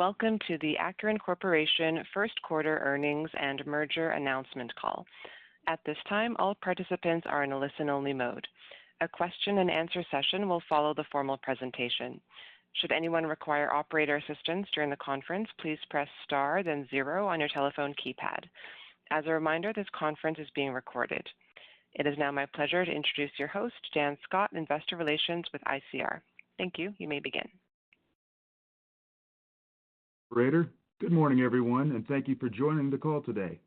Welcome to the Acuren Corporation's first quarter earnings and merger announcement call. At this time, all participants are in a listen-only mode. A question-and-answer session will follow the formal presentation. Should anyone require operator assistance during the conference, please press star, then zero on your telephone keypad. As a reminder, this conference is being recorded. It is now my pleasure to introduce your host, Dan Scott, Investor Relations with ICR. Thank you. You may begin. Right. Good morning, everyone, and thank you for joining the call today.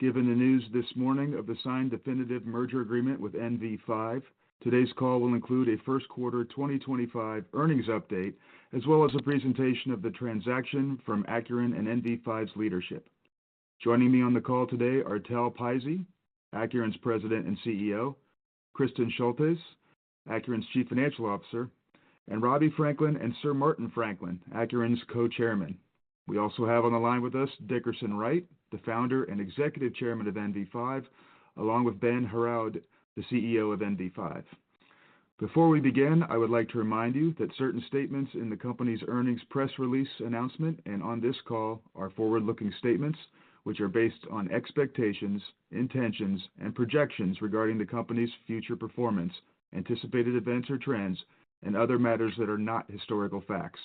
Given the news this morning of the signed definitive merger agreement with NV5, today's call will include a first quarter 2025 earnings update, as well as a presentation of the transaction from Acuren and NV5's leadership. Joining me on the call today are Tal Pizzey, Acuren's President and CEO; Kristin Schultes, Acuren's Chief Financial Officer; and Robbie Franklin and Sir Martin Franklin, Acuren's Co-Chairmen. We also have on the line with us Dickerson Wright, the Founder and Executive Chairman of NV5, along with Ben Heraud, the CEO of NV5. Before we begin, I would like to remind you that certain statements in the company's earnings press release announcement and on this call are forward-looking statements, which are based on expectations, intentions, and projections regarding the company's future performance, anticipated events or trends, and other matters that are not historical facts.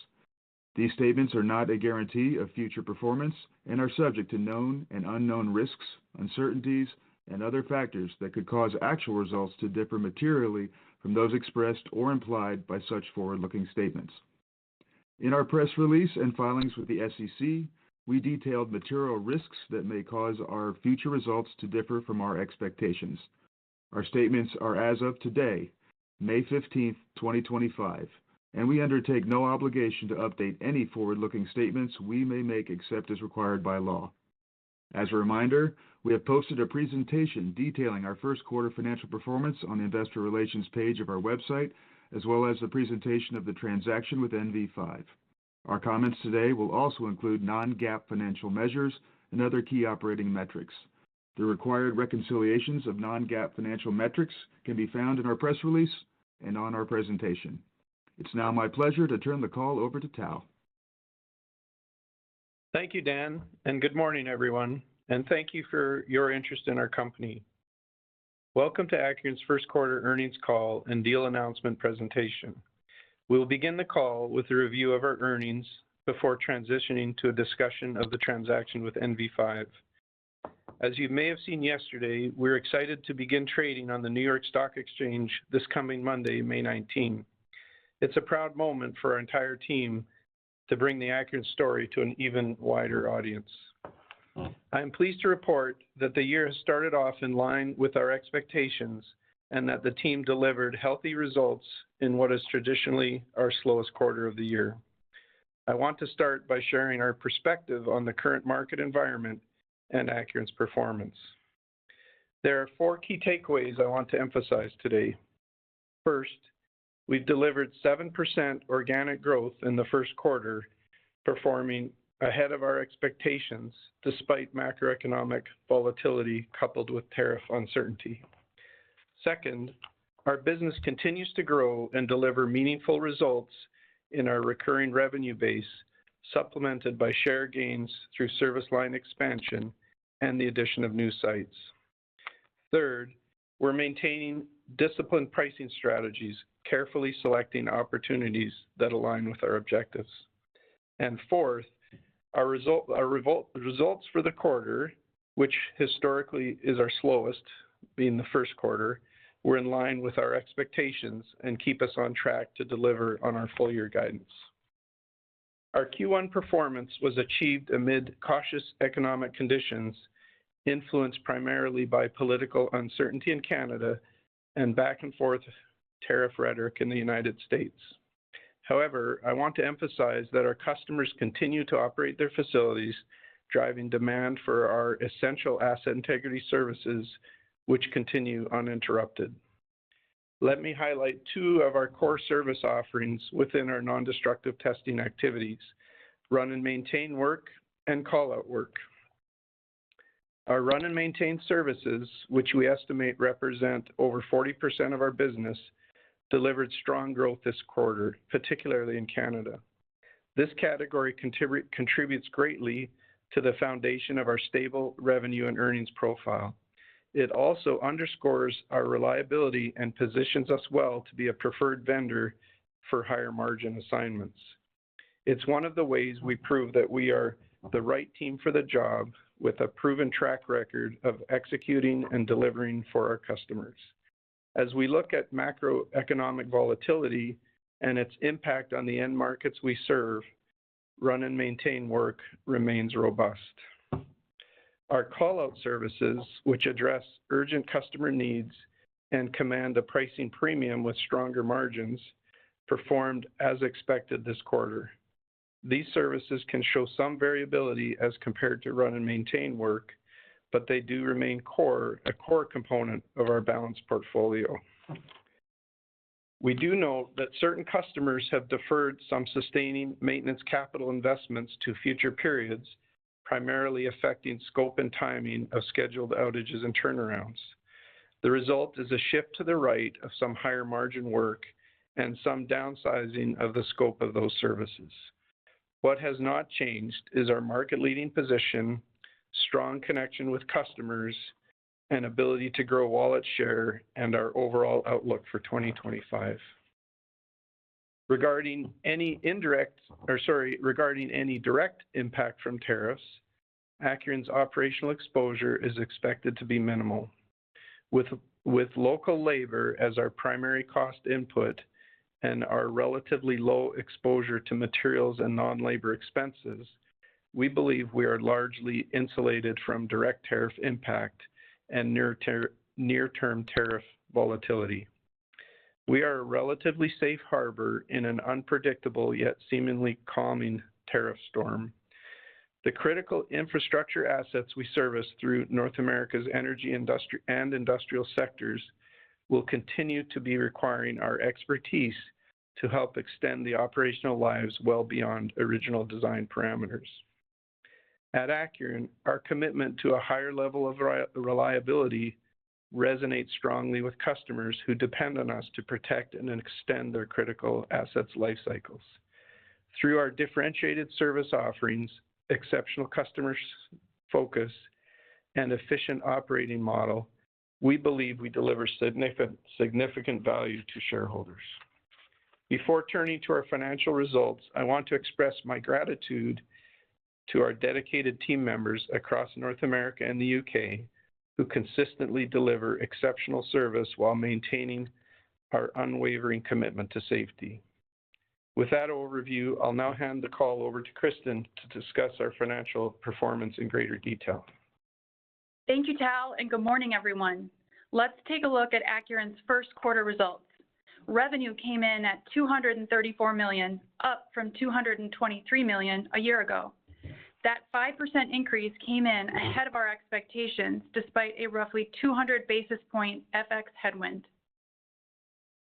These statements are not a guarantee of future performance and are subject to known and unknown risks, uncertainties, and other factors that could cause actual results to differ materially from those expressed or implied by such forward-looking statements. In our press release and filings with the SEC, we detailed material risks that may cause our future results to differ from our expectations. Our statements are as of today, May 15th, 2025, and we undertake no obligation to update any forward-looking statements we may make except as required by law. As a reminder, we have posted a presentation detailing our first quarter financial performance on the investor relations page of our website, as well as the presentation of the transaction with NV5. Our comments today will also include non-GAAP financial measures and other key operating metrics. The required reconciliations of non-GAAP financial metrics can be found in our press release and on our presentation. It's now my pleasure to turn the call over to Tal. Thank you, Dan, and good morning, everyone, and thank you for your interest in our company. Welcome to NV5's first quarter earnings call and deal announcement presentation. We'll begin the call with a review of our earnings before transitioning to a discussion of the transaction with NV5. As you may have seen yesterday, we're excited to begin trading on the New York Stock Exchange this coming Monday, May 19. It's a proud moment for our entire team to bring the Acuren story to an even wider audience. I'm pleased to report that the year has started off in line with our expectations and that the team delivered healthy results in what is traditionally our slowest quarter of the year. I want to start by sharing our perspective on the current market environment and Acuren's performance. There are four key takeaways I want to emphasize today. First, we've delivered 7% organic growth in the first quarter, performing ahead of our expectations despite macroeconomic volatility coupled with tariff uncertainty. Second, our business continues to grow and deliver meaningful results in our recurring revenue base, supplemented by share gains through service line expansion and the addition of new sites. Third, we're maintaining disciplined pricing strategies, carefully selecting opportunities that align with our objectives. Fourth, our results for the quarter, which historically is our slowest, being the first quarter, were in line with our expectations and keep us on track to deliver on our full-year guidance. Our Q1 performance was achieved amid cautious economic conditions influenced primarily by political uncertainty in Canada and back-and-forth tariff rhetoric in the United States. However, I want to emphasize that our customers continue to operate their facilities, driving demand for our essential asset integrity services, which continue uninterrupted. Let me highlight two of our core service offerings within our non-destructive testing activities: run and maintain work and callout work. Our run and maintain services, which we estimate represent over 40% of our business, delivered strong growth this quarter, particularly in Canada. This category contributes greatly to the foundation of our stable revenue and earnings profile. It also underscores our reliability and positions us well to be a preferred vendor for higher margin assignments. It's one of the ways we prove that we are the right team for the job, with a proven track record of executing and delivering for our customers. As we look at macroeconomic volatility and its impact on the end markets we serve, run and maintain work remains robust. Our callout services, which address urgent customer needs and command a pricing premium with stronger margins, performed as expected this quarter. These services can show some variability as compared to run and maintain work, but they do remain a core component of our balanced portfolio. We do note that certain customers have deferred some sustaining maintenance capital investments to future periods, primarily affecting scope and timing of scheduled outages and turnarounds. The result is a shift to the right of some higher margin work and some downsizing of the scope of those services. What has not changed is our market-leading position, strong connection with customers, and ability to grow wallet share and our overall outlook for 2025. Regarding any indirect impact from tariffs, Acuren's operational exposure is expected to be minimal. With local labor as our primary cost input and our relatively low exposure to materials and non-labor expenses, we believe we are largely insulated from direct tariff impact and near-term tariff volatility. We are a relatively safe harbor in an unpredictable yet seemingly calming tariff storm. The critical infrastructure assets we service through North America's energy and industrial sectors will continue to be requiring our expertise to help extend the operational lives well beyond original design parameters. At Acuren, our commitment to a higher level of reliability resonates strongly with customers who depend on us to protect and extend their critical assets' life cycles. Through our differentiated service offerings, exceptional customer focus, and efficient operating model, we believe we deliver significant value to shareholders. Before turning to our financial results, I want to express my gratitude to our dedicated team members across North America and the U.K. who consistently deliver exceptional service while maintaining our unwavering commitment to safety. With that overview, I'll now hand the call over to Kristin to discuss our financial performance in greater detail. Thank you, Tal, and good morning, everyone. Let's take a look at Acuren's first quarter results. Revenue came in at $234 million, up from $223 million a year ago. That 5% increase came in ahead of our expectations despite a roughly 200 basis point FX headwind.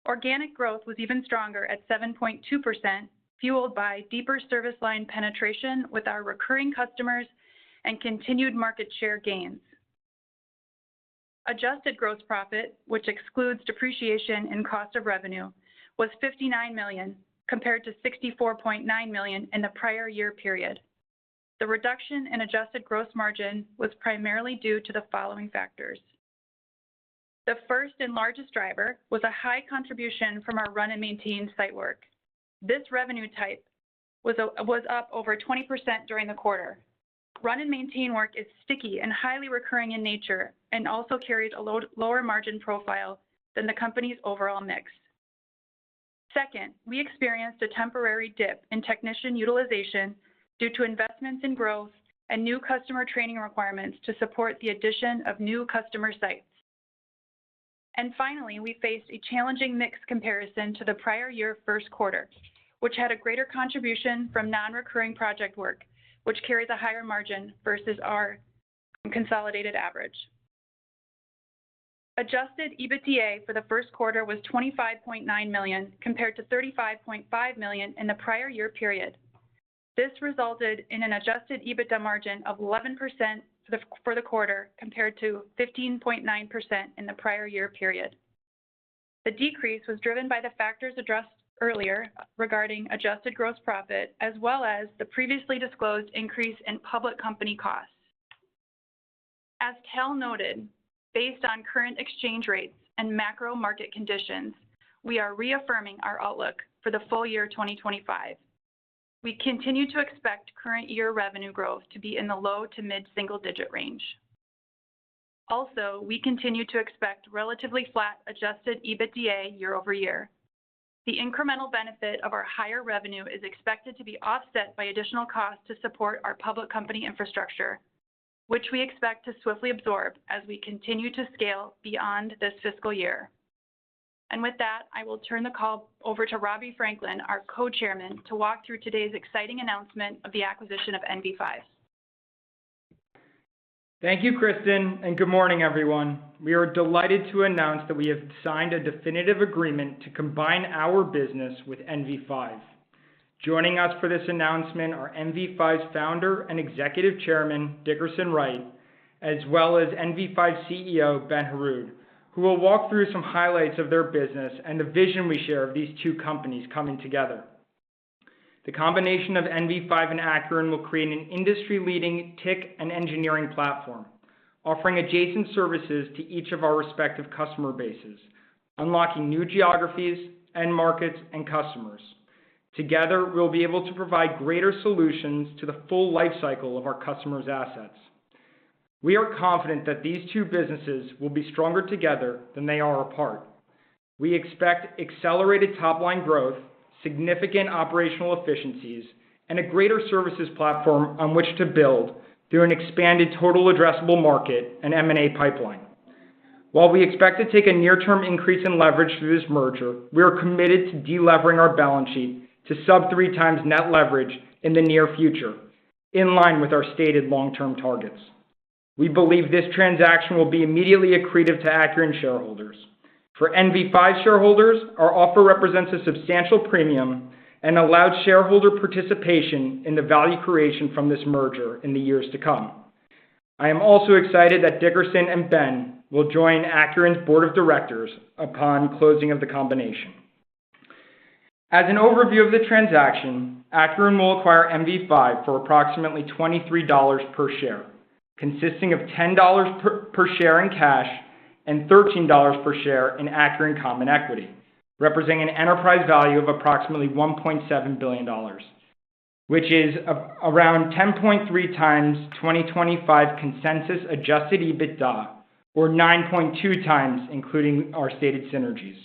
Organic growth was even stronger at 7.2%, fueled by deeper service line penetration with our recurring customers and continued market share gains. Adjusted gross profit, which excludes depreciation and cost of revenue, was $59 million compared to $64.9 million in the prior year period. The reduction in adjusted gross margin was primarily due to the following factors. The first and largest driver was a high contribution from our run and maintain site work. This revenue type was up over 20% during the quarter. Run and maintain work is sticky and highly recurring in nature and also carries a lower margin profile than the company's overall mix. Second, we experienced a temporary dip in technician utilization due to investments in growth and new customer training requirements to support the addition of new customer sites. Finally, we faced a challenging mix comparison to the prior year first quarter, which had a greater contribution from non-recurring project work, which carries a higher margin versus our consolidated average. Adjusted EBITDA for the first quarter was $25.9 million compared to $35.5 million in the prior year period. This resulted in an adjusted EBITDA margin of 11% for the quarter compared to 15.9% in the prior year period. The decrease was driven by the factors addressed earlier regarding adjusted gross profit, as well as the previously disclosed increase in public company costs. As Tal noted, based on current exchange rates and macro market conditions, we are reaffirming our outlook for the full year 2025. We continue to expect current year revenue growth to be in the low to mid-single-digit range. Also, we continue to expect relatively flat adjusted EBITDA year-over-year. The incremental benefit of our higher revenue is expected to be offset by additional costs to support our public company infrastructure, which we expect to swiftly absorb as we continue to scale beyond this fiscal year. I will turn the call over to Robbie Franklin, our Co-Chairman, to walk through today's exciting announcement of the acquisition of NV5. Thank you, Kristin, and good morning, everyone. We are delighted to announce that we have signed a definitive agreement to combine our business with NV5. Joining us for this announcement are NV5's Founder and Executive Chairman, Dickerson Wright, as well as NV5's CEO, Ben Heraud, who will walk through some highlights of their business and the vision we share of these two companies coming together. The combination of NV5 and Acuren will create an industry-leading TICC and engineering platform, offering adjacent services to each of our respective customer bases, unlocking new geographies, end markets, and customers. Together, we'll be able to provide greater solutions to the full lifecycle of our customers' assets. We are confident that these two businesses will be stronger together than they are apart. We expect accelerated top-line growth, significant operational efficiencies, and a greater services platform on which to build through an expanded total addressable market and M&A pipeline. While we expect to take a near-term increase in leverage through this merger, we are committed to delevering our balance sheet to sub-three times net leverage in the near future, in line with our stated long-term targets. We believe this transaction will be immediately accretive to Acuren shareholders. For NV5 shareholders, our offer represents a substantial premium and allows shareholder participation in the value creation from this merger in the years to come. I am also excited that Dickerson and Ben will join Acuren's board of directors upon closing of the combination. As an overview of the transaction, Acuren will acquire NV5 for approximately $23 per share, consisting of $10 per share in cash and $13 per share in Acuren common equity, representing an enterprise value of approximately $1.7 billion, which is around 10.3 times 2025 consensus adjusted EBITDA, or 9.2 times including our stated synergies.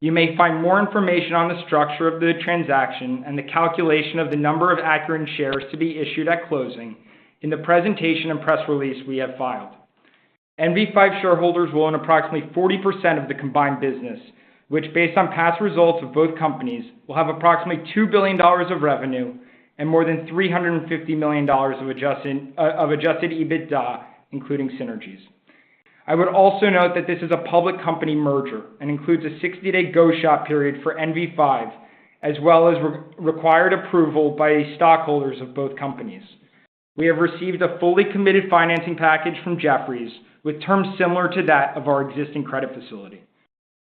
You may find more information on the structure of the transaction and the calculation of the number of Acuren shares to be issued at closing in the presentation and press release we have filed. NV5 shareholders will own approximately 40% of the combined business, which, based on past results of both companies, will have approximately $2 billion of revenue and more than $350 million of adjusted EBITDA, including synergies. I would also note that this is a public company merger and includes a 60-day go-shop period for NV5, as well as required approval by stockholders of both companies. We have received a fully committed financing package from Jefferies with terms similar to that of our existing credit facility.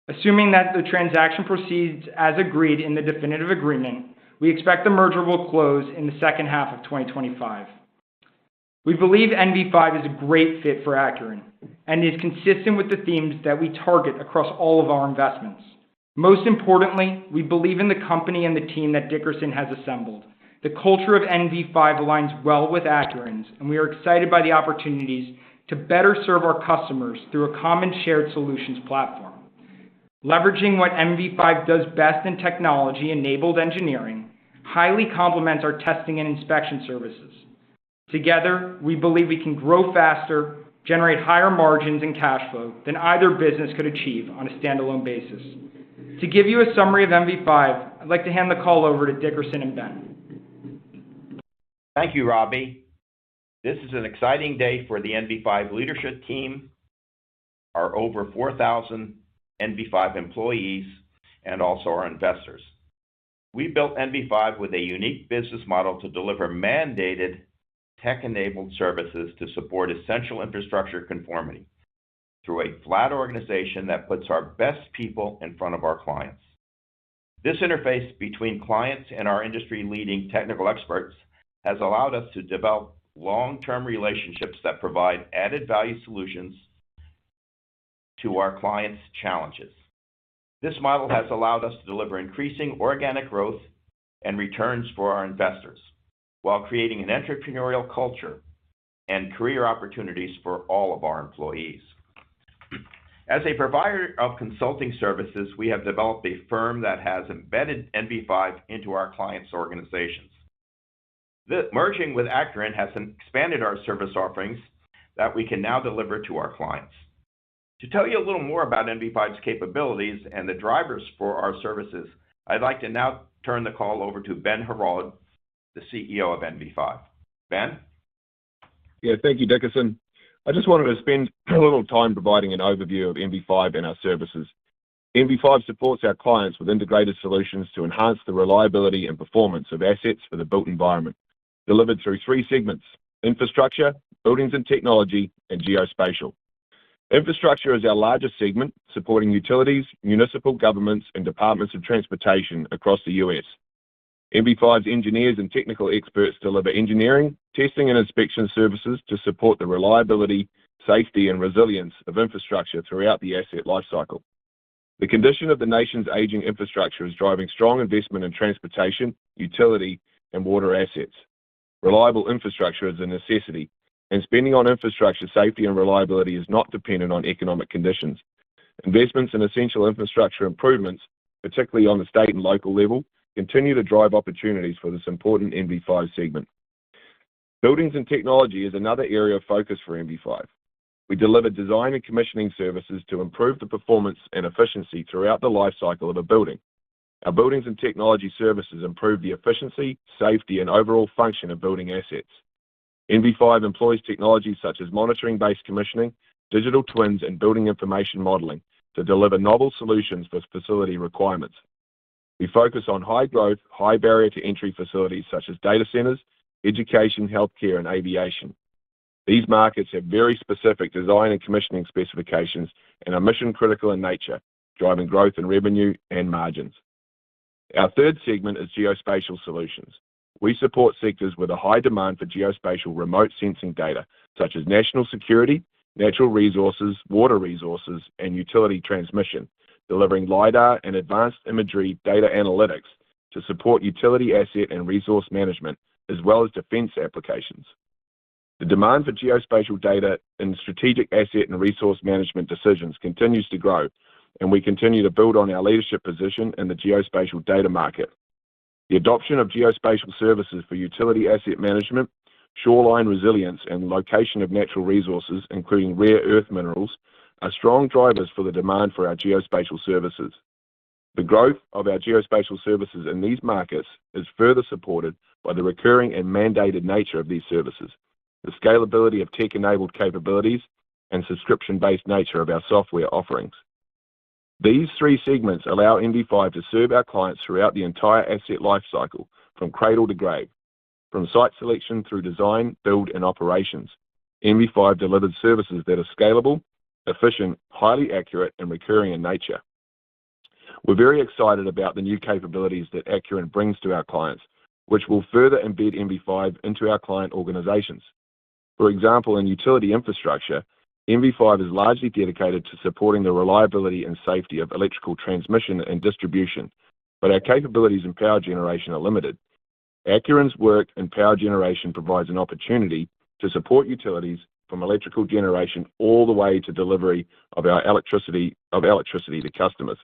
Assuming that the transaction proceeds as agreed in the definitive agreement, we expect the merger will close in the second half of 2025. We believe NV5 is a great fit for Acuren and is consistent with the themes that we target across all of our investments. Most importantly, we believe in the company and the team that Dickerson has assembled. The culture of NV5 aligns well with Acuren's, and we are excited by the opportunities to better serve our customers through a common shared solutions platform. Leveraging what NV5 does best in technology-enabled engineering highly complements our testing and inspection services. Together, we believe we can grow faster, generate higher margins and cash flow than either business could achieve on a standalone basis. To give you a summary of NV5, I'd like to hand the call over to Dickerson and Ben. Thank you, Robbie. This is an exciting day for the NV5 leadership team, our over 4,000 NV5 employees, and also our investors. We built NV5 with a unique business model to deliver mandated tech-enabled services to support essential infrastructure conformity through a flat organization that puts our best people in front of our clients. This interface between clients and our industry-leading technical experts has allowed us to develop long-term relationships that provide added value solutions to our clients' challenges. This model has allowed us to deliver increasing organic growth and returns for our investors while creating an entrepreneurial culture and career opportunities for all of our employees. As a provider of consulting services, we have developed a firm that has embedded NV5 into our clients' organizations. Merging with Acuren has expanded our service offerings that we can now deliver to our clients. To tell you a little more about NV5's capabilities and the drivers for our services, I'd like to now turn the call over to Ben Heraud, the CEO of NV5. Ben? Yeah, thank you, Dickerson. I just wanted to spend a little time providing an overview of NV5 and our services. NV5 supports our clients with integrated solutions to enhance the reliability and performance of assets for the built environment, delivered through three segments: infrastructure, buildings and technology, and geospatial. Infrastructure is our largest segment, supporting utilities, municipal governments, and departments of transportation across the U.S. NV5's engineers and technical experts deliver engineering, testing, and inspection services to support the reliability, safety, and resilience of infrastructure throughout the asset lifecycle. The condition of the nation's aging infrastructure is driving strong investment in transportation, utility, and water assets. Reliable infrastructure is a necessity, and spending on infrastructure safety and reliability is not dependent on economic conditions. Investments in essential infrastructure improvements, particularly on the state and local level, continue to drive opportunities for this important NV5 segment. Buildings and technology is another area of focus for NV5. We deliver design and commissioning services to improve the performance and efficiency throughout the lifecycle of a building. Our buildings and technology services improve the efficiency, safety, and overall function of building assets. NV5 employs technologies such as monitoring-based commissioning, digital twins, and building information modeling to deliver novel solutions for facility requirements. We focus on high-growth, high-barrier-to-entry facilities such as data centers, education, healthcare, and aviation. These markets have very specific design and commissioning specifications and are mission-critical in nature, driving growth in revenue and margins. Our third segment is geospatial solutions. We support sectors with a high demand for geospatial remote sensing data, such as national security, natural resources, water resources, and utility transmission, delivering LiDAR and advanced imagery data analytics to support utility asset and resource management, as well as defense applications. The demand for geospatial data and strategic asset and resource management decisions continues to grow, and we continue to build on our leadership position in the geospatial data market. The adoption of geospatial services for utility asset management, shoreline resilience, and location of natural resources, including rare earth minerals, are strong drivers for the demand for our geospatial services. The growth of our geospatial services in these markets is further supported by the recurring and mandated nature of these services, the scalability of tech-enabled capabilities, and subscription-based nature of our software offerings. These three segments allow NV5 to serve our clients throughout the entire asset lifecycle, from cradle to grave. From site selection through design, build, and operations, NV5 delivers services that are scalable, efficient, highly accurate, and recurring in nature. We're very excited about the new capabilities that Acuren brings to our clients, which will further embed NV5 into our client organizations. For example, in utility infrastructure, NV5 is largely dedicated to supporting the reliability and safety of electrical transmission and distribution, but our capabilities in power generation are limited. Acuren's work in power generation provides an opportunity to support utilities from electrical generation all the way to delivery of electricity to customers.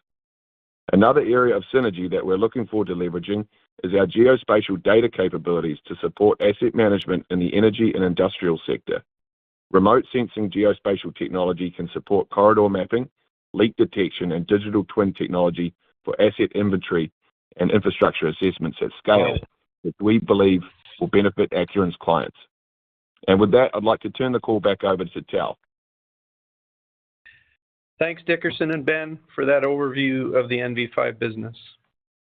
Another area of synergy that we're looking forward to leveraging is our geospatial data capabilities to support asset management in the energy and industrial sector. Remote sensing geospatial technology can support corridor mapping, leak detection, and digital twin technology for asset inventory and infrastructure assessments at scale, which we believe will benefit Acuren's clients. With that, I'd like to turn the call back over to Tal. Thanks, Dickerson and Ben, for that overview of the NV5 business.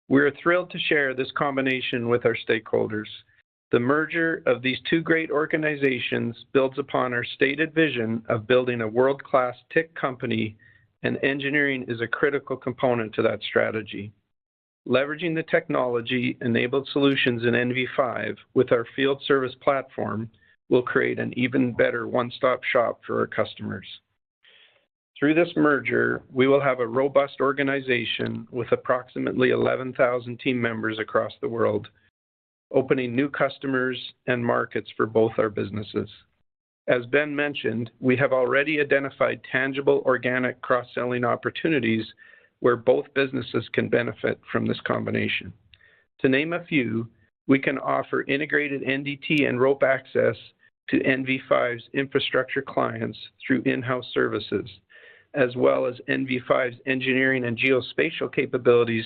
We are thrilled to share this combination with our stakeholders. The merger of these two great organizations builds upon our stated vision of building a world-class tech company, and engineering is a critical component to that strategy. Leveraging the technology-enabled solutions in NV5 with our field service platform will create an even better one-stop shop for our customers. Through this merger, we will have a robust organization with approximately 11,000 team members across the world, opening new customers and markets for both our businesses. As Ben mentioned, we have already identified tangible organic cross-selling opportunities where both businesses can benefit from this combination. To name a few, we can offer integrated NDT and rope access to NV5's infrastructure clients through in-house services, as well as NV5's engineering and geospatial capabilities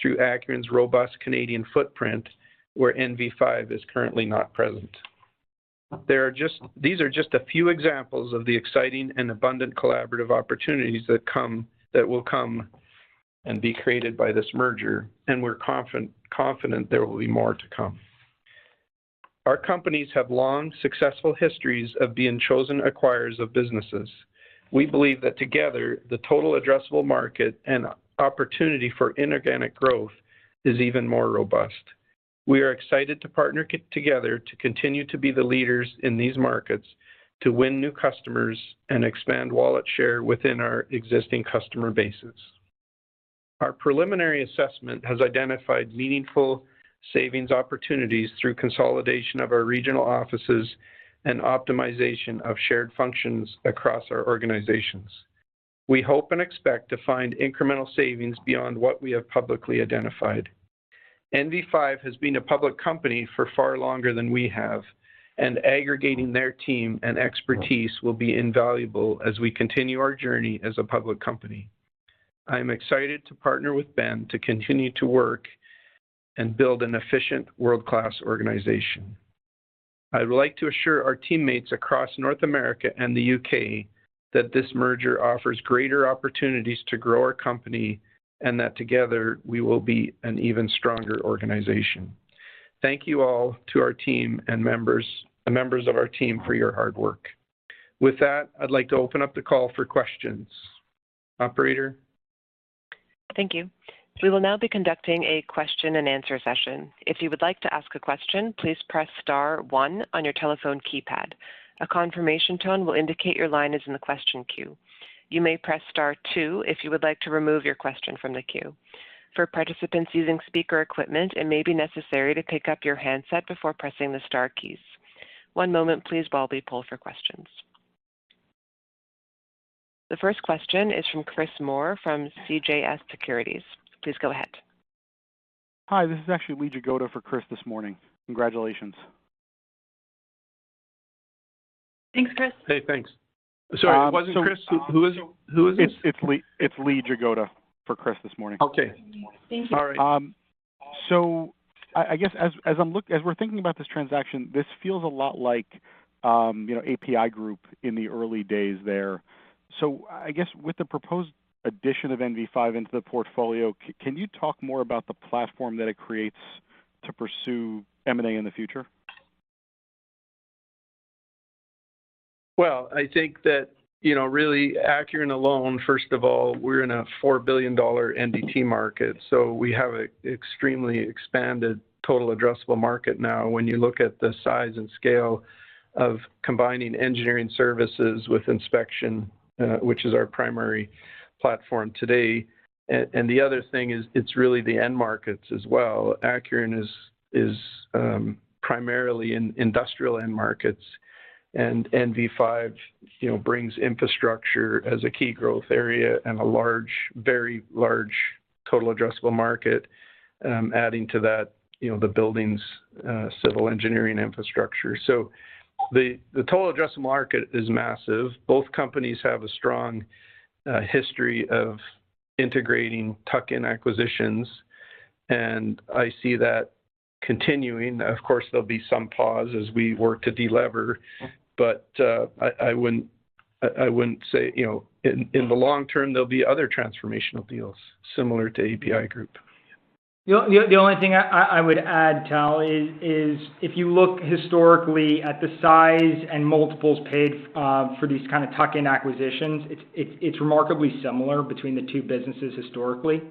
through Acuren's robust Canadian footprint, where NV5 is currently not present. These are just a few examples of the exciting and abundant collaborative opportunities that will come and be created by this merger, and we're confident there will be more to come. Our companies have long successful histories of being chosen acquirers of businesses. We believe that together, the total addressable market and opportunity for inorganic growth is even more robust. We are excited to partner together to continue to be the leaders in these markets, to win new customers, and expand wallet share within our existing customer bases. Our preliminary assessment has identified meaningful savings opportunities through consolidation of our regional offices and optimization of shared functions across our organizations. We hope and expect to find incremental savings beyond what we have publicly identified. NV5 has been a public company for far longer than we have, and aggregating their team and expertise will be invaluable as we continue our journey as a public company. I am excited to partner with Ben to continue to work and build an efficient, world-class organization. I would like to assure our teammates across North America and the U.K. that this merger offers greater opportunities to grow our company and that together we will be an even stronger organization. Thank you all to our team and members of our team for your hard work. With that, I'd like to open up the call for questions. Operator? Thank you. We will now be conducting a question-and-answer session. If you would like to ask a question, please press star one on your telephone keypad. A confirmation tone will indicate your line is in the question queue. You may press star two if you would like to remove your question from the queue. For participants using speaker equipment, it may be necessary to pick up your handset before pressing the star keys. One moment, please, while we pull for questions. The first question is from Chris Moore from CJS Securities. Please go ahead. Hi, this is actually Lee Jagoda for Chris this morning. Congratulations. Thanks, Chris. Hey, thanks. Sorry, wasn't Chris. Who is this? It's Lee Jagoda for Chris this morning. Okay. Thank you. All right. I guess as we're thinking about this transaction, this feels a lot like APi Group in the early days there. I guess with the proposed addition of NV5 into the portfolio, can you talk more about the platform that it creates to pursue M&A in the future? I think that really Acuren alone, first of all, we're in a $4 billion NDT market, so we have an extremely expanded total addressable market now when you look at the size and scale of combining engineering services with inspection, which is our primary platform today. The other thing is it's really the end markets as well. Acuren is primarily in industrial end markets, and NV5 brings infrastructure as a key growth area and a very large total addressable market, adding to that the building's civil engineering infrastructure. The total addressable market is massive. Both companies have a strong history of integrating tuck-in acquisitions, and I see that continuing. Of course, there'll be some pause as we work to deliver, but I wouldn't say in the long term, there'll be other transformational deals similar to APi Group. The only thing I would add, Tal, is if you look historically at the size and multiples paid for these kind of tuck-in acquisitions, it's remarkably similar between the two businesses historically.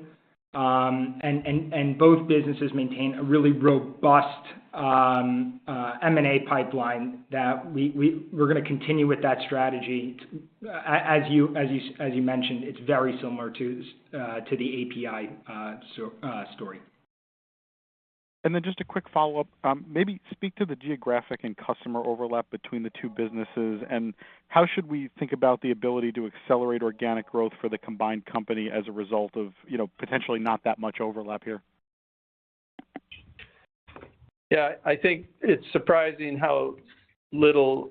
Both businesses maintain a really robust M&A pipeline that we're going to continue with that strategy. As you mentioned, it's very similar to the APi story. Just a quick follow-up. Maybe speak to the geographic and customer overlap between the two businesses, and how should we think about the ability to accelerate organic growth for the combined company as a result of potentially not that much overlap here? Yeah, I think it's surprising how little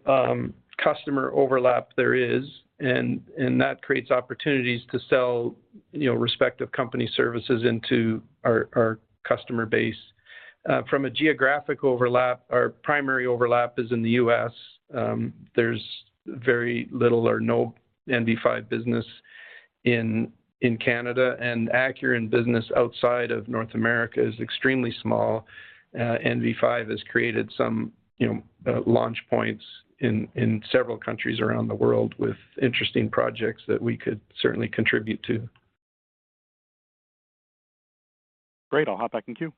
customer overlap there is, and that creates opportunities to sell respective company services into our customer base. From a geographic overlap, our primary overlap is in the U.S. There's very little or no NV5 business in Canada, and Acuren business outside of North America is extremely small. NV5 has created some launch points in several countries around the world with interesting projects that we could certainly contribute to. Great. I'll hop back in queue.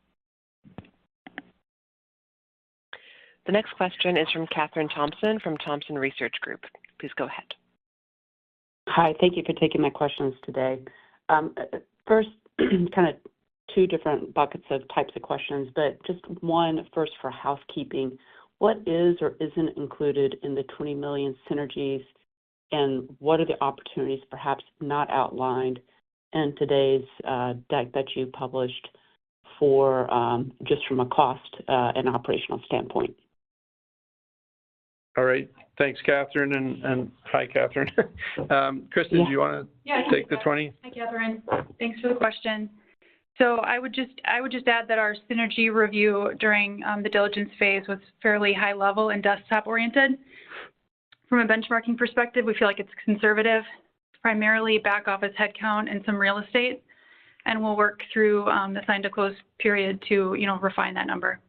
The next question is from Kathryn Thompson from Thompson Research Group. Please go ahead. Hi. Thank you for taking my questions today. First, kind of two different buckets of types of questions, but just one first for housekeeping. What is or isn't included in the $20 million synergies, and what are the opportunities perhaps not outlined in today's deck that you published just from a cost and operational standpoint? All right. Thanks, Kathryn. Hi, Kathryn. Kristin, do you want to take the 20? Hi, Kathryn. Thanks for the question. I would just add that our synergy review during the diligence phase was fairly high-level and desktop-oriented. From a benchmarking perspective, we feel like it's conservative, primarily back-office headcount and some real estate, and we'll work through the sign-to-close period to refine that number.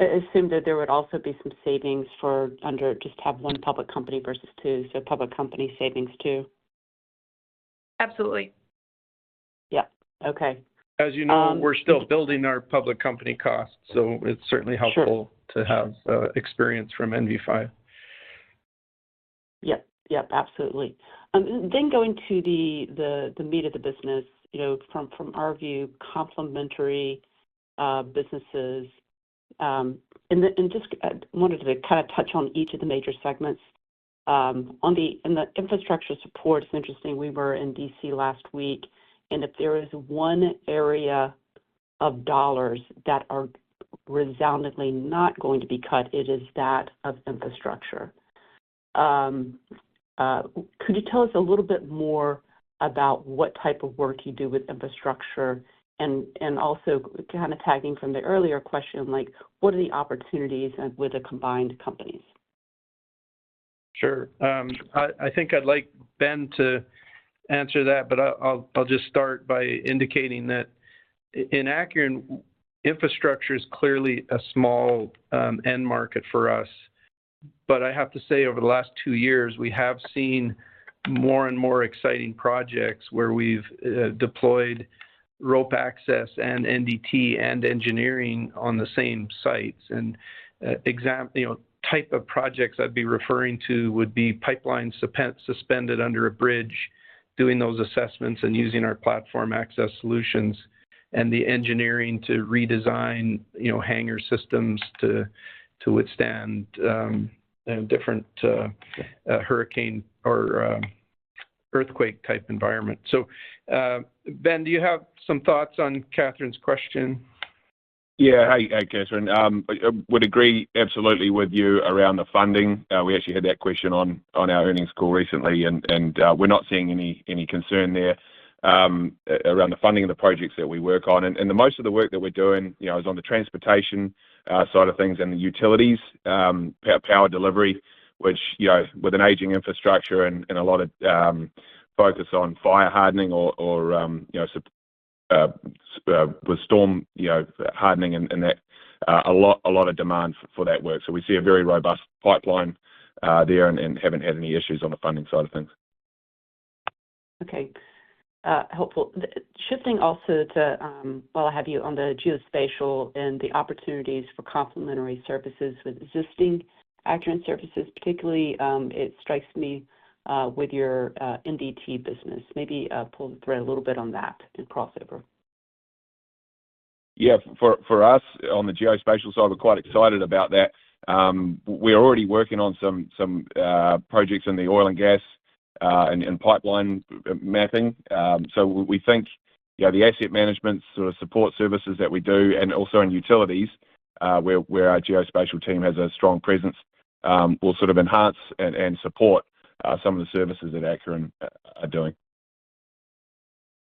I assumed that there would also be some savings under just having one public company versus two, so public company savings too. Absolutely. Yeah. Okay. As you know, we're still building our public company costs, so it's certainly helpful to have experience from NV5. Yep. Yep. Absolutely. Going to the meat of the business, from our view, complementary businesses, and just wanted to kind of touch on each of the major segments. On the infrastructure support, it's interesting. We were in D.C. last week, and if there is one area of dollars that are resoundingly not going to be cut, it is that of infrastructure. Could you tell us a little bit more about what type of work you do with infrastructure? Also, kind of tagging from the earlier question, what are the opportunities with the combined companies? Sure. I think I'd like Ben to answer that, but I'll just start by indicating that in Acuren, infrastructure is clearly a small end market for us. I have to say, over the last two years, we have seen more and more exciting projects where we've deployed rope access and NDT and engineering on the same sites. The type of projects I'd be referring to would be pipelines suspended under a bridge, doing those assessments and using our platform access solutions, and the engineering to redesign hangar systems to withstand different hurricane or earthquake-type environments. Ben, do you have some thoughts on Kathryn's question? Yeah, hi, Kathryn. I would agree absolutely with you around the funding. We actually had that question on our earnings call recently, and we're not seeing any concern there around the funding of the projects that we work on. Most of the work that we're doing is on the transportation side of things and the utilities, power delivery, which with an aging infrastructure and a lot of focus on fire hardening or storm hardening, and a lot of demand for that work. We see a very robust pipeline there and haven't had any issues on the funding side of things. Okay. Helpful. Shifting also to while I have you on the geospatial and the opportunities for complementary services with existing Acuren services, particularly it strikes me with your NDT business. Maybe pull the thread a little bit on that and crossover. Yeah. For us on the geospatial side, we're quite excited about that. We're already working on some projects in the oil and gas and pipeline mapping. We think the asset management sort of support services that we do and also in utilities, where our geospatial team has a strong presence, will sort of enhance and support some of the services that Acuren are doing.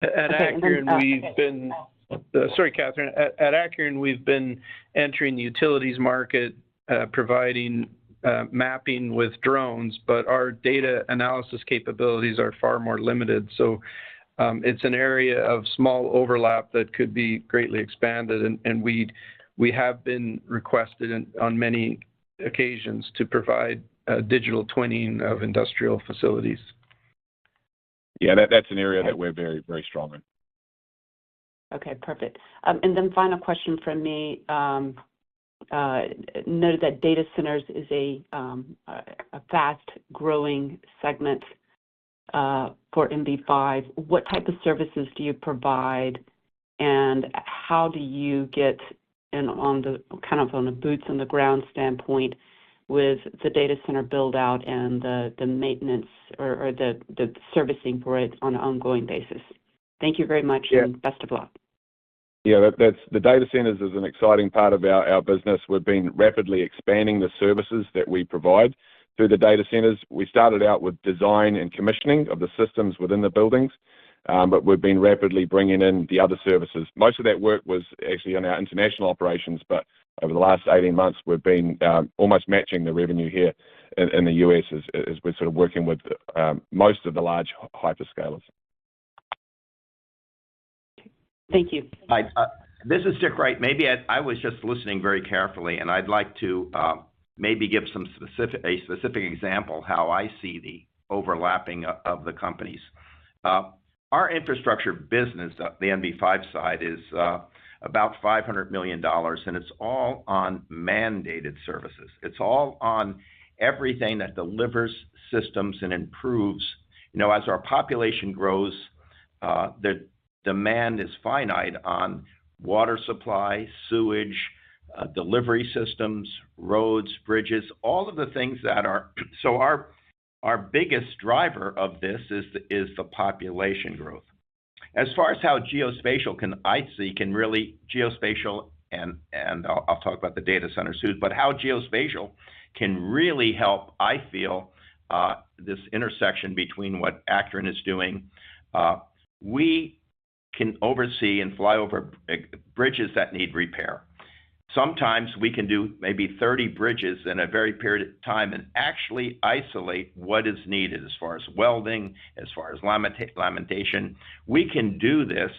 At Acuren, we've been—sorry, Kathryn. At Acuren, we've been entering the utilities market, providing mapping with drones, but our data analysis capabilities are far more limited. It is an area of small overlap that could be greatly expanded, and we have been requested on many occasions to provide digital twinning of industrial facilities. Yeah, that's an area that we're very, very strong in. Okay. Perfect. Final question from me. Noted that data centers is a fast-growing segment for NV5. What type of services do you provide, and how do you get kind of on the boots-on-the-ground standpoint with the data center buildout and the maintenance or the servicing for it on an ongoing basis? Thank you very much, and best of luck. Yeah. The data centers is an exciting part of our business. We've been rapidly expanding the services that we provide through the data centers. We started out with design and commissioning of the systems within the buildings, but we've been rapidly bringing in the other services. Most of that work was actually on our international operations, but over the last 18 months, we've been almost matching the revenue here in the U.S. as we're sort of working with most of the large hyperscalers. Thank you. This is Dick Wright. Maybe I was just listening very carefully, and I'd like to maybe give a specific example of how I see the overlapping of the companies. Our infrastructure business, the NV5 side, is about $500 million, and it's all on mandated services. It's all on everything that delivers systems and improves. As our population grows, the demand is finite on water supply, sewage, delivery systems, roads, bridges, all of the things that are so our biggest driver of this is the population growth. As far as how geospatial can I see can really geospatial and I'll talk about the data centers too, but how geospatial can really help, I feel, this intersection between what Acuren is doing. We can oversee and fly over bridges that need repair. Sometimes we can do maybe 30 bridges in a very period of time and actually isolate what is needed as far as welding, as far as lamination. We can do this,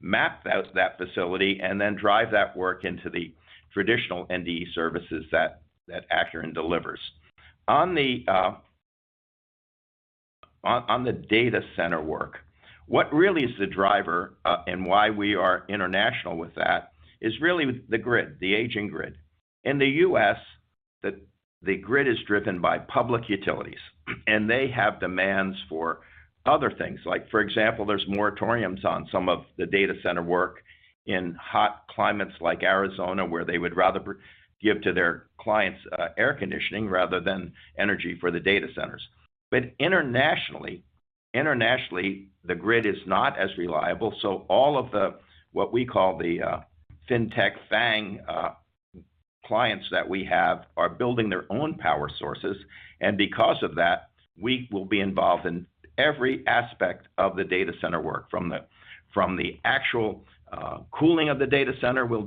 map that facility, and then drive that work into the traditional NDE services that Acuren delivers. On the data center work, what really is the driver and why we are international with that is really the grid, the aging grid. In the U.S., the grid is driven by public utilities, and they have demands for other things. For example, there are moratoriums on some of the data center work in hot climates like Arizona, where they would rather give to their clients air conditioning rather than energy for the data centers. Internationally, the grid is not as reliable. All of the, what we call the FinTech FANG clients that we have, are building their own power sources. Because of that, we will be involved in every aspect of the data center work, from the actual cooling of the data center. We'll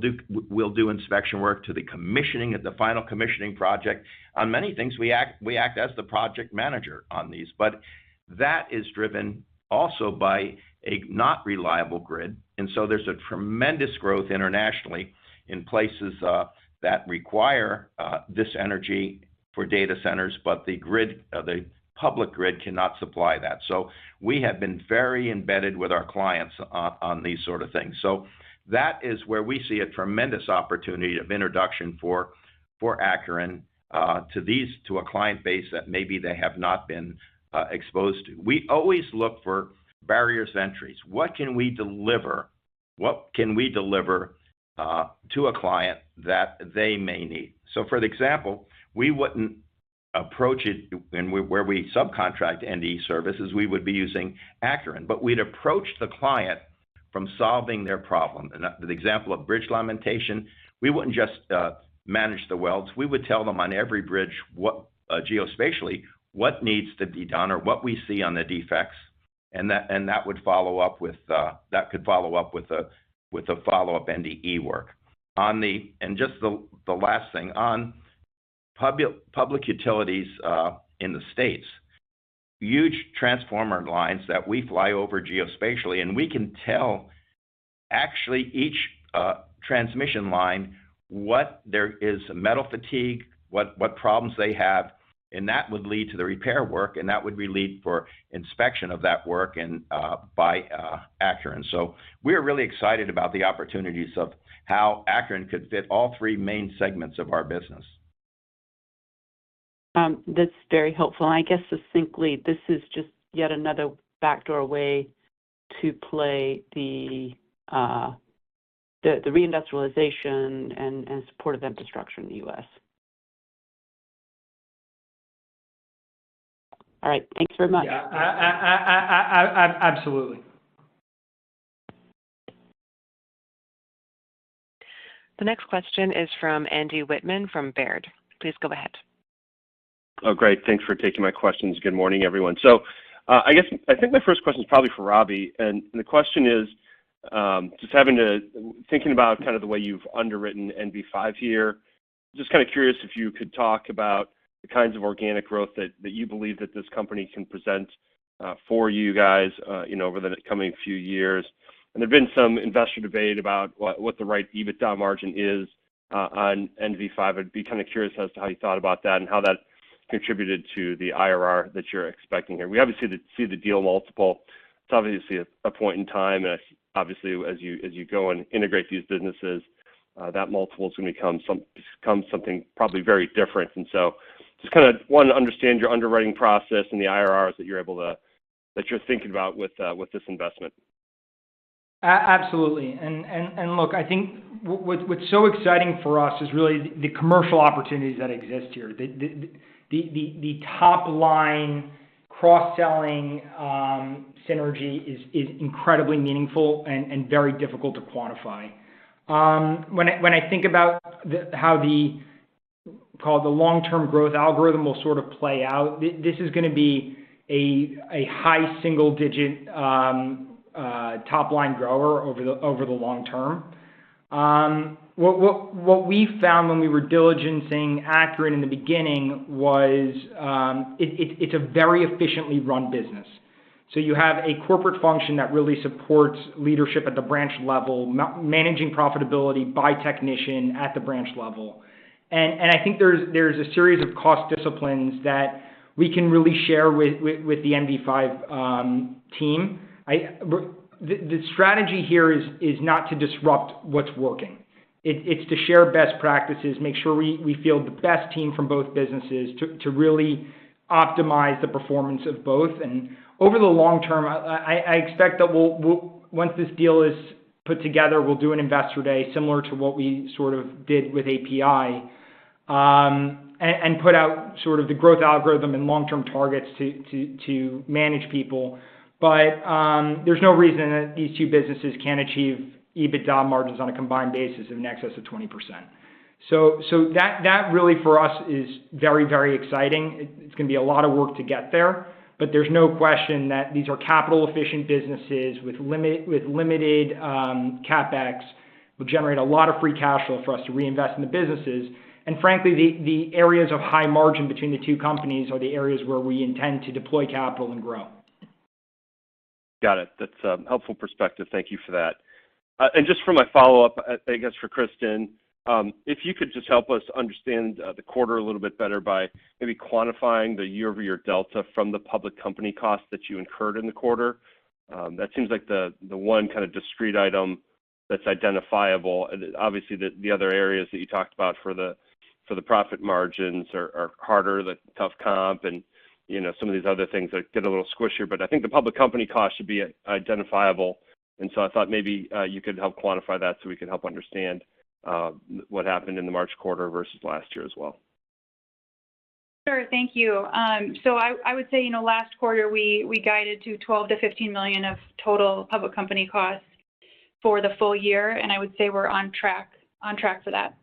do inspection work to the commissioning of the final commissioning project. On many things, we act as the project manager on these, but that is driven also by a not reliable grid. There is a tremendous growth internationally in places that require this energy for data centers, but the public grid cannot supply that. We have been very embedded with our clients on these sort of things. That is where we see a tremendous opportunity of introduction for Acuren to a client base that maybe they have not been exposed to. We always look for barriers to entries. What can we deliver? What can we deliver to a client that they may need? For the example, we would not approach it where we subcontract NDE services. We would be using Acuren, but we would approach the client from solving their problem. The example of bridge lamination, we would not just manage the welds. We would tell them on every bridge geospatially what needs to be done or what we see on the defects, and that could follow up with follow-up NDE work. Just the last thing, on public utilities in the U.S., huge transformer lines that we fly over geospatially, and we can tell actually each transmission line what there is, metal fatigue, what problems they have, and that would lead to the repair work, and that would lead to inspection of that work by Acuren. We are really excited about the opportunities of how Acuren could fit all three main segments of our business. That's very helpful. I guess succinctly, this is just yet another backdoor way to play the reindustrialization and support of infrastructure in the U.S. All right. Thanks very much. Yeah. Absolutely. The next question is from Andy Wittmann from Baird. Please go ahead. Oh, great. Thanks for taking my questions. Good morning, everyone. I think my first question is probably for Robbie. The question is just thinking about kind of the way you've underwritten NV5 here, just kind of curious if you could talk about the kinds of organic growth that you believe that this company can present for you guys over the coming few years. There's been some investor debate about what the right EBITDA margin is on NV5. I'd be kind of curious as to how you thought about that and how that contributed to the IRR that you're expecting here. We obviously see the deal multiple. It's obviously a point in time, and obviously, as you go and integrate these businesses, that multiple is going to become something probably very different. I just kind of want to understand your underwriting process and the IRRs that you're able to, that you're thinking about with this investment. Absolutely. Look, I think what's so exciting for us is really the commercial opportunities that exist here. The top-line cross-selling synergy is incredibly meaningful and very difficult to quantify. When I think about how the long-term growth algorithm will sort of play out, this is going to be a high single-digit top-line grower over the long term. What we found when we were diligencing Acuren in the beginning was it's a very efficiently run business. You have a corporate function that really supports leadership at the branch level, managing profitability by technician at the branch level. I think there's a series of cost disciplines that we can really share with the NV5 team. The strategy here is not to disrupt what's working. It's to share best practices, make sure we field the best team from both businesses to really optimize the performance of both. Over the long term, I expect that once this deal is put together, we'll do an investor day similar to what we sort of did with APi and put out sort of the growth algorithm and long-term targets to manage people. There is no reason that these two businesses can't achieve EBITDA margins on a combined basis of in excess of 20%. That really for us is very, very exciting. It's going to be a lot of work to get there, but there is no question that these are capital-efficient businesses with limited CapEx. It will generate a lot of free cash flow for us to reinvest in the businesses. Frankly, the areas of high margin between the two companies are the areas where we intend to deploy capital and grow. Got it. That's a helpful perspective. Thank you for that. Just for my follow-up, I guess for Kristin, if you could just help us understand the quarter a little bit better by maybe quantifying the year-over-year delta from the public company costs that you incurred in the quarter. That seems like the one kind of discrete item that's identifiable. Obviously, the other areas that you talked about for the profit margins are harder, the tough comp, and some of these other things that get a little squishier. I think the public company cost should be identifiable. I thought maybe you could help quantify that so we can help understand what happened in the March quarter versus last year as well. Sure. Thank you. I would say last quarter, we guided to $12 million-$15 million of total public company costs for the full year, and I would say we're on track for that.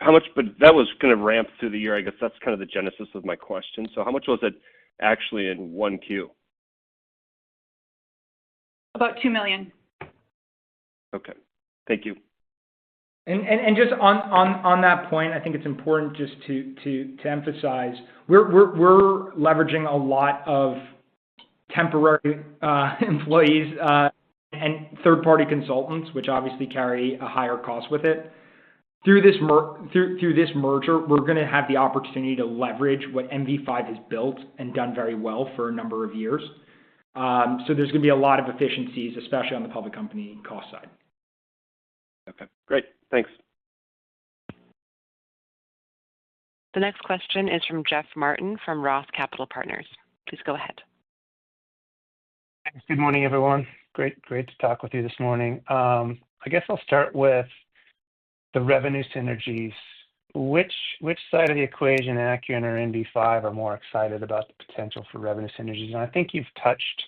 How much? That was kind of ramped through the year. I guess that's kind of the genesis of my question. How much was it actually in 1Q? About $2 million. Okay. Thank you. I think it's important just to emphasize we're leveraging a lot of temporary employees and third-party consultants, which obviously carry a higher cost with it. Through this merger, we're going to have the opportunity to leverage what NV5 has built and done very well for a number of years. There are going to be a lot of efficiencies, especially on the public company cost side. Okay. Great. Thanks. The next question is from Jeff Martin from Roth Capital Partners. Please go ahead. Good morning, everyone. Great to talk with you this morning. I guess I'll start with the revenue synergies. Which side of the equation, Acuren or NV5, are more excited about the potential for revenue synergies? I think you've touched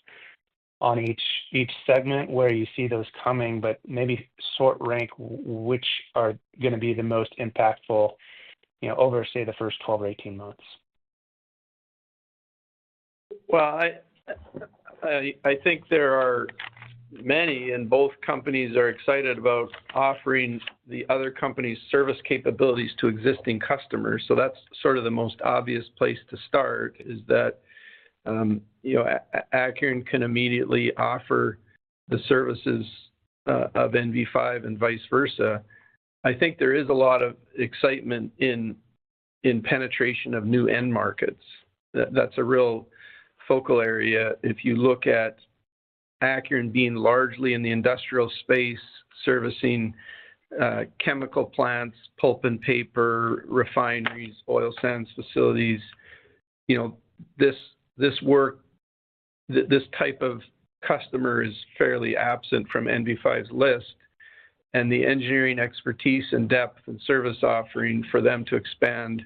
on each segment where you see those coming, but maybe sort of rank which are going to be the most impactful over, say, the first 12 or 18 months. I think there are many, and both companies are excited about offering the other company's service capabilities to existing customers. That's sort of the most obvious place to start. Acuren can immediately offer the services of NV5 and vice versa. I think there is a lot of excitement in penetration of new end markets. That's a real focal area. If you look at Acuren being largely in the industrial space, servicing chemical plants, pulp and paper, refineries, oil sands facilities, this type of customer is fairly absent from NV5's list. The engineering expertise and depth and service offering for them to expand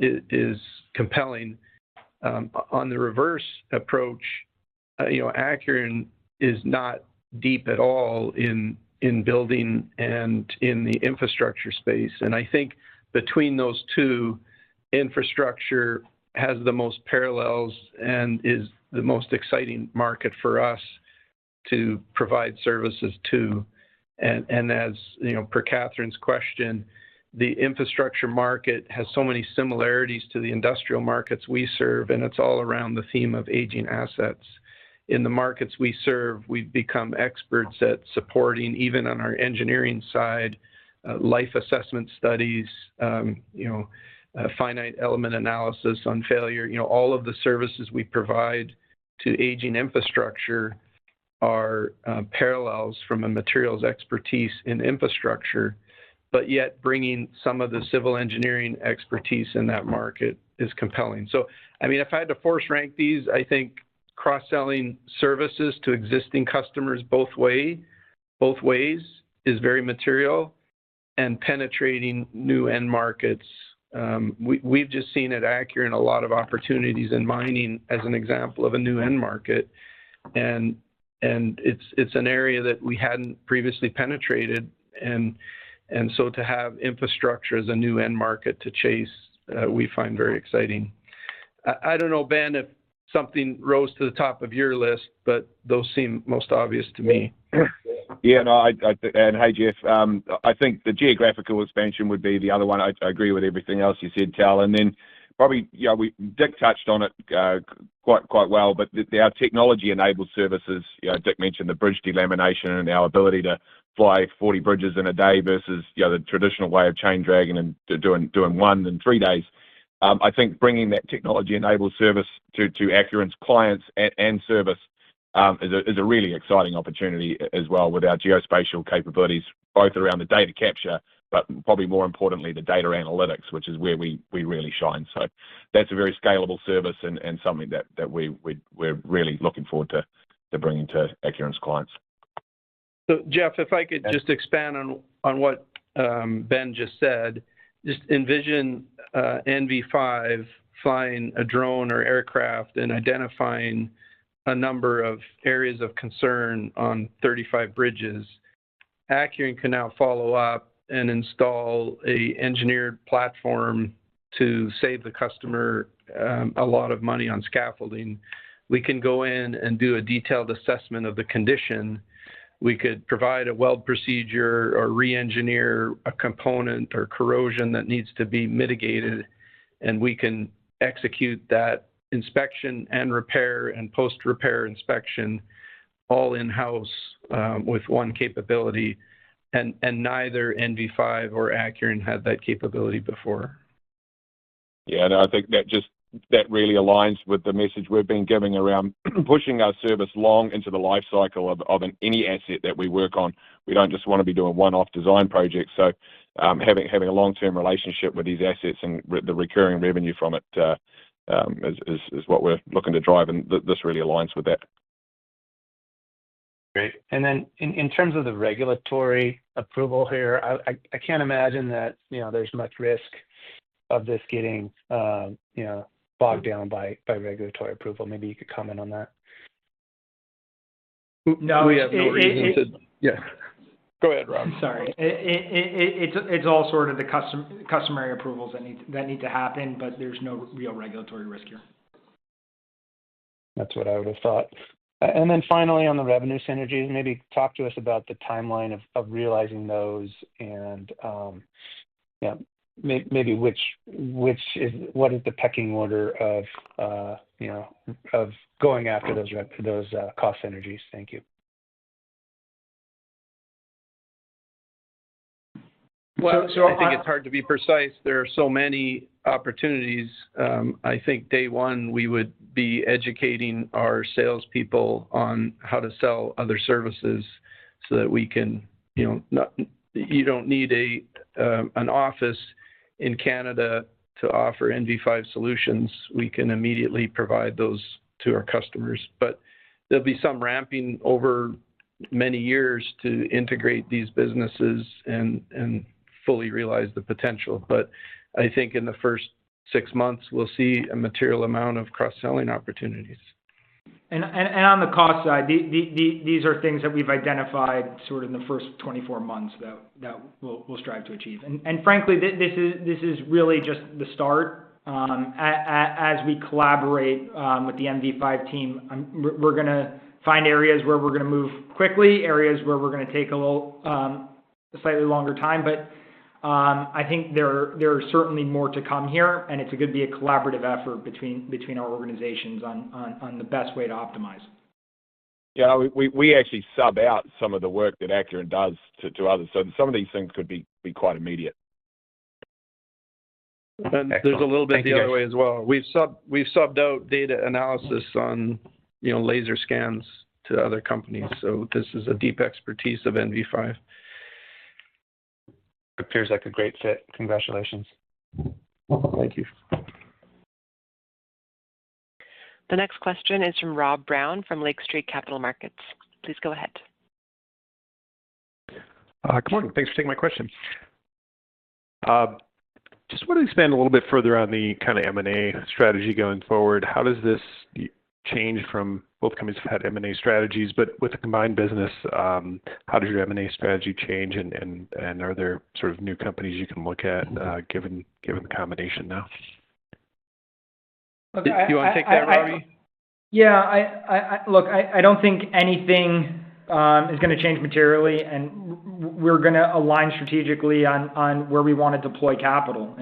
is compelling. On the reverse approach, Acuren is not deep at all in building and in the infrastructure space. I think between those two, infrastructure has the most parallels and is the most exciting market for us to provide services to. As per Kathryn's question, the infrastructure market has so many similarities to the industrial markets we serve, and it's all around the theme of aging assets. In the markets we serve, we've become experts at supporting, even on our engineering side, life assessment studies, finite element analysis on failure. All of the services we provide to aging infrastructure are parallels from a materials expertise in infrastructure, but yet bringing some of the civil engineering expertise in that market is compelling. I mean, if I had to force rank these, I think cross-selling services to existing customers both ways is very material and penetrating new end markets. We've just seen at Acuren a lot of opportunities in mining as an example of a new end market. It's an area that we hadn't previously penetrated. To have infrastructure as a new end market to chase, we find very exciting. I do not know, Ben, if something rose to the top of your list, but those seem most obvious to me. Yeah. Hi, Jeff. I think the geographical expansion would be the other one. I agree with everything else you said, Tal. Dick touched on it quite well, but our technology-enabled services, Dick mentioned the bridge delamination and our ability to fly 40 bridges in a day versus the traditional way of chain dragging and doing one in three days. I think bringing that technology-enabled service to Acuren's clients and service is a really exciting opportunity as well with our geospatial capabilities, both around the data capture, but probably more importantly, the data analytics, which is where we really shine. That is a very scalable service and something that we are really looking forward to bringing to Acuren's clients. Jeff, if I could just expand on what Ben just said, just envision NV5 flying a drone or aircraft and identifying a number of areas of concern on 35 bridges. Acuren can now follow up and install an engineered platform to save the customer a lot of money on scaffolding. We can go in and do a detailed assessment of the condition. We could provide a weld procedure or re-engineer a component or corrosion that needs to be mitigated, and we can execute that inspection and repair and post-repair inspection all in-house with one capability. Neither NV5 or Acuren had that capability before. Yeah. I think that really aligns with the message we've been giving around pushing our service long into the lifecycle of any asset that we work on. We don't just want to be doing one-off design projects. Having a long-term relationship with these assets and the recurring revenue from it is what we're looking to drive. This really aligns with that. Great. In terms of the regulatory approval here, I can't imagine that there's much risk of this getting bogged down by regulatory approval. Maybe you could comment on that. No. Yeah. Go ahead, Rob. I'm sorry. It's all sort of the customary approvals that need to happen, but there's no real regulatory risk here. That's what I would have thought. Finally, on the revenue synergies, maybe talk to us about the timeline of realizing those and maybe what is the pecking order of going after those cost synergies. Thank you. I think it's hard to be precise. There are so many opportunities. I think day one, we would be educating our salespeople on how to sell other services so that we can, you don't need an office in Canada to offer NV5 solutions. We can immediately provide those to our customers. There will be some ramping over many years to integrate these businesses and fully realize the potential. I think in the first six months, we'll see a material amount of cross-selling opportunities. On the cost side, these are things that we've identified in the first 24 months that we'll strive to achieve. Frankly, this is really just the start. As we collaborate with the NV5 team, we're going to find areas where we're going to move quickly, areas where we're going to take a slightly longer time. I think there are certainly more to come here, and it's going to be a collaborative effort between our organizations on the best way to optimize. Yeah. We actually sub out some of the work that Acuren does to others. So some of these things could be quite immediate. There's a little bit the other way as well. We've subbed out data analysis on laser scans to other companies. So this is a deep expertise of NV5. It appears like a great fit. Congratulations. Thank you. The next question is from Rob Brown from Lake Street Capital Markets. Please go ahead. Come on. Thanks for taking my question. Just want to expand a little bit further on the kind of M&A strategy going forward. How does this change from both companies have had M&A strategies, but with a combined business, how does your M&A strategy change? Are there sort of new companies you can look at given the combination now? Do you want to take that, Robbie? Yeah. Look, I do not think anything is going to change materially. We are going to align strategically on where we want to deploy capital.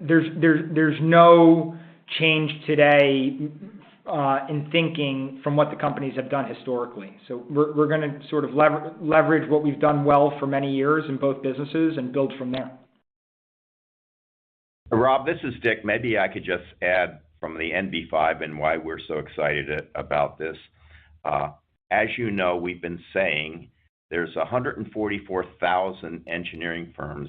There is no change today in thinking from what the companies have done historically. We are going to sort of leverage what we have done well for many years in both businesses and build from there. Rob, this is Dick. Maybe I could just add from the NV5 and why we're so excited about this. As you know, we've been saying there's 144,000 engineering firms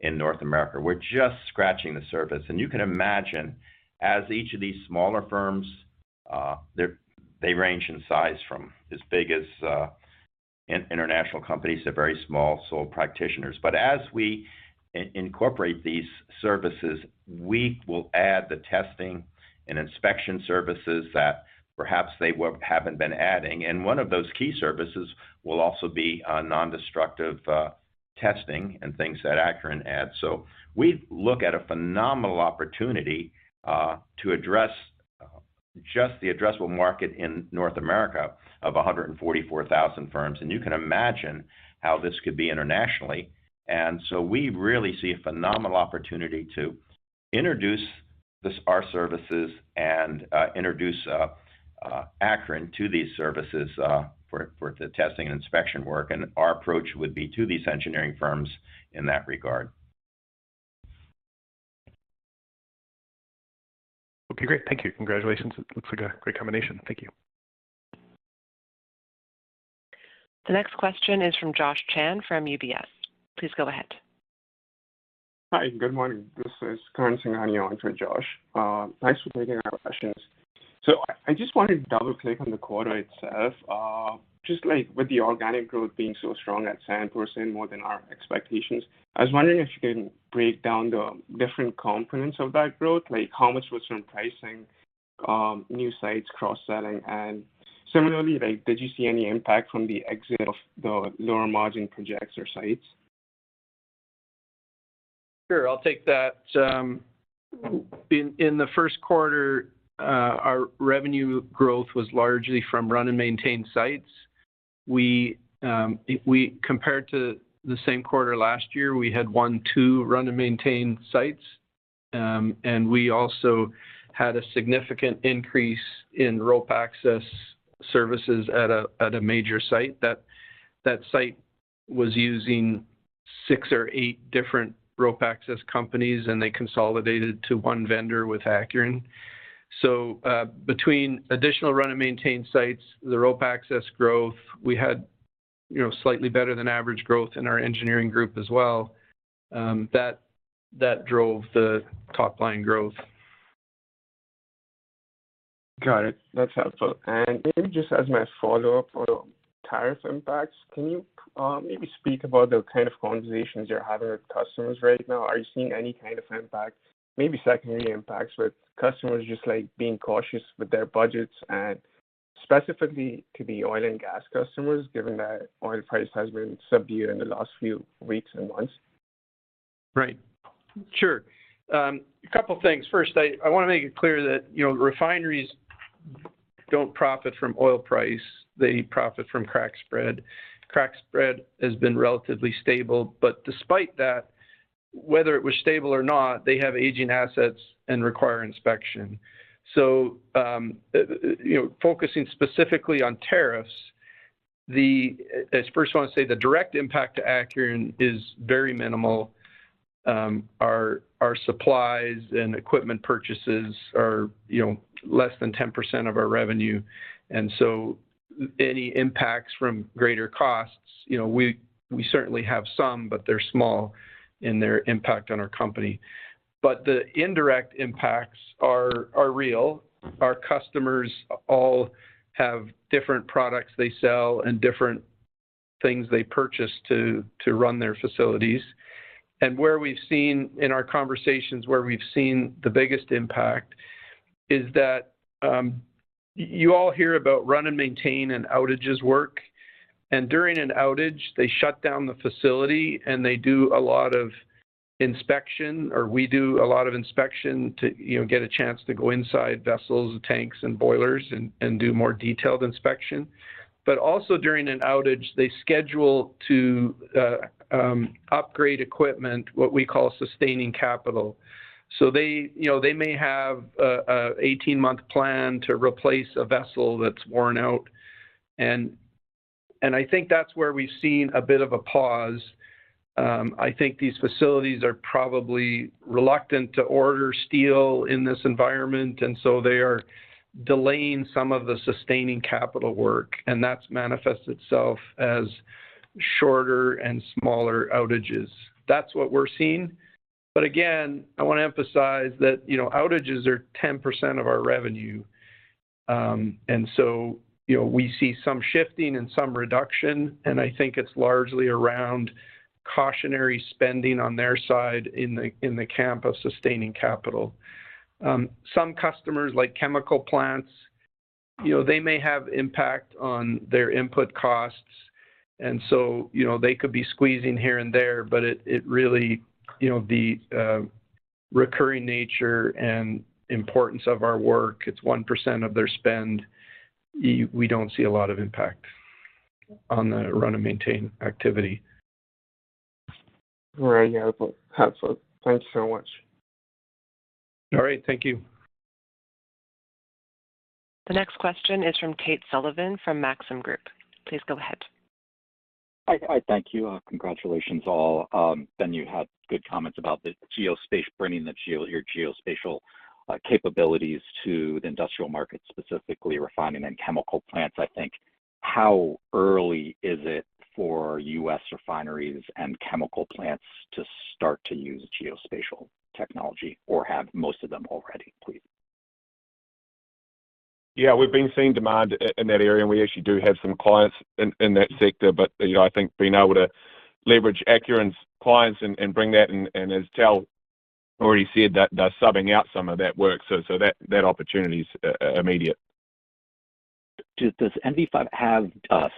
in North America. We're just scratching the surface. You can imagine, as each of these smaller firms, they range in size from as big as international companies to very small sole practitioners. As we incorporate these services, we will add the testing and inspection services that perhaps they haven't been adding. One of those key services will also be non-destructive testing and things that Acuren adds. We look at a phenomenal opportunity to address just the addressable market in North America of 144,000 firms. You can imagine how this could be internationally. We really see a phenomenal opportunity to introduce our services and introduce Acuren to these services for the testing and inspection work. Our approach would be to these engineering firms in that regard. Okay. Great. Thank you. Congratulations. It looks like a great combination. Thank you. The next question is from Josh Chan from UBS. Please go ahead. Hi. Good morning. This is Karan Singhania on for Josh. Nice to take our questions. I just wanted to double-click on the quarter itself. Just like with the organic growth being so strong at some person, saying more than our expectations, I was wondering if you can break down the different components of that growth, like how much was from pricing, new sites, cross-selling, and similarly, did you see any impact from the exit of the lower margin projects or sites? Sure. I'll take that. In the first quarter, our revenue growth was largely from run and maintain sites. Compared to the same quarter last year, we had one, two run and maintain sites. We also had a significant increase in rope access services at a major site. That site was using six or eight different rope access companies, and they consolidated to one vendor with Acuren. Between additional run and maintain sites and the rope access growth, we had slightly better than average growth in our engineering group as well. That drove the top-line growth. Got it. That's helpful. Maybe just as my follow-up on tariff impacts, can you maybe speak about the kind of conversations you're having with customers right now? Are you seeing any kind of impact, maybe secondary impacts, with customers just being cautious with their budgets and specifically to the oil and gas customers, given that oil price has been subdued in the last few weeks and months? Right. Sure. A couple of things. First, I want to make it clear that refineries do not profit from oil price. They profit from crack spread. Crack spread has been relatively stable. Despite that, whether it was stable or not, they have aging assets and require inspection. Focusing specifically on tariffs, I first want to say the direct impact to Acuren is very minimal. Our supplies and equipment purchases are less than 10% of our revenue. Any impacts from greater costs, we certainly have some, but they are small in their impact on our company. The indirect impacts are real. Our customers all have different products they sell and different things they purchase to run their facilities. Where we have seen in our conversations, where we have seen the biggest impact is that you all hear about run-and-maintain and outages work. During an outage, they shut down the facility, and they do a lot of inspection, or we do a lot of inspection to get a chance to go inside vessels, tanks, and boilers and do more detailed inspection. Also during an outage, they schedule to upgrade equipment, what we call sustaining capital. They may have an 18-month plan to replace a vessel that's worn out. I think that's where we've seen a bit of a pause. I think these facilities are probably reluctant to order steel in this environment. They are delaying some of the sustaining capital work, and that's manifested itself as shorter and smaller outages. That's what we're seeing. Again, I want to emphasize that outages are 10% of our revenue, and we see some shifting and some reduction. I think it's largely around cautionary spending on their side in the camp of sustaining capital. Some customers, like chemical plants, they may have impact on their input costs. They could be squeezing here and there. Really, the recurring nature and importance of our work, it's 1% of their spend. We don't see a lot of impact on the run-and-maintain activity. All right. Yeah. Helpful. Thank you so much. All right. Thank you. The next question is from Tate Sullivan from Maxim Group. Please go ahead. Hi. Thank you. Congratulations, all. Ben, you had good comments about the geospatial, bringing your geospatial capabilities to the industrial market, specifically refining and chemical plants. I think, how early is it for U.S. refineries and chemical plants to start to use geospatial technology, or have most of them already, please? Yeah. We've been seeing demand in that area. We actually do have some clients in that sector. I think being able to leverage Acuren's clients and bring that, and as Tal already said, they're subbing out some of that work. That opportunity is immediate. Does NV5 have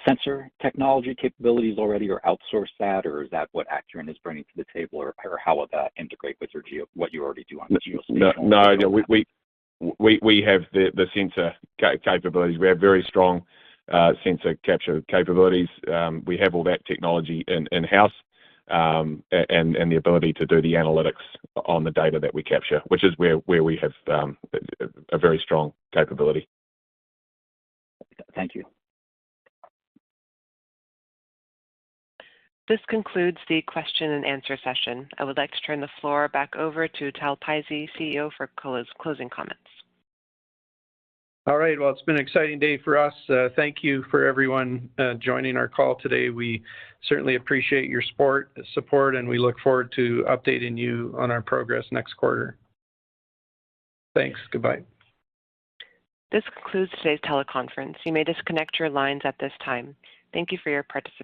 sensor technology capabilities already or outsource that, or is that what Acuren is bringing to the table, or how will that integrate with what you already do on the geospatial? No. No. We have the sensor capabilities. We have very strong sensor capture capabilities. We have all that technology in-house and the ability to do the analytics on the data that we capture, which is where we have a very strong capability. Thank you. This concludes the question-and-answer session. I would like to turn the floor back over to Tal Pizzey, CEO, for closing comments. All right. It's been an exciting day for us. Thank you for everyone joining our call today. We certainly appreciate your support, and we look forward to updating you on our progress next quarter. Thanks. Goodbye. This concludes today's teleconference. You may disconnect your lines at this time. Thank you for your participation.